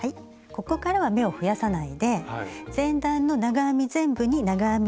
ここからは目を増やさないで前段の長編み全部に長編みを１目ずつ。